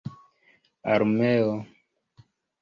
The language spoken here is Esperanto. armeo